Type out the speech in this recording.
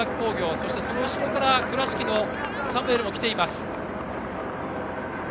その後ろから倉敷のサムエルも来ています。